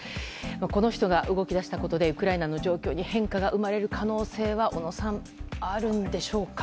この人が動き出したことでウクライナの状況に変化が生まれる可能性は小野さん、あるんでしょうか。